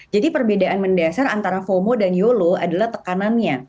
jadi perbedaan mendasar antara fomo dan yolo adalah tekanannya